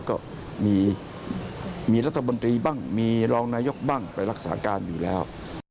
ก็มีรัฐมนตรีบ้างมีรองนายกบ้างไปรักษาการอยู่แล้ว